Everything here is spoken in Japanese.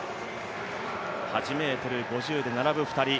８ｍ５０で並ぶ２人。